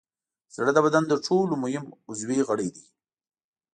زړه د بدن تر ټولو مهم عضوي غړی دی.